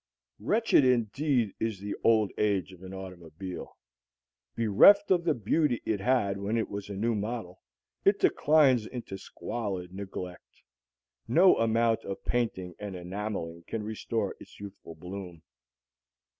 Wretched indeed is the old age of an automobile. Bereft of the beauty it had when it was a new model, it declines into squalid neglect. No amount of painting and enameling can restore its youthful bloom.